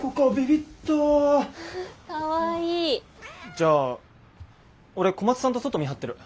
じゃあ俺小松さんと外見張ってる。